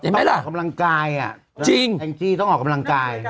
ไหมล่ะกำลังกายอ่ะจริงแองจี้ต้องออกกำลังกาย